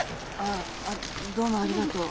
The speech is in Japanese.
あどうもありがとう。